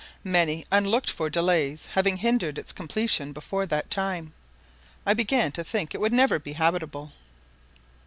Many unlooked for delays having hindered its completion before that time, I began to think it would never be habitable.